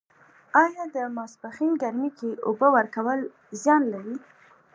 آیا د ماسپښین ګرمۍ کې اوبه ورکول زیان لري؟